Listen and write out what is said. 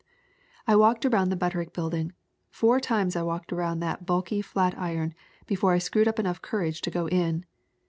I walked around the Butterick Building four times I walked around that bulky flat iron before I screwed up enough courage to go in.